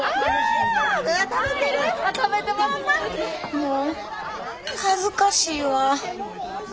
もう恥ずかしいわ。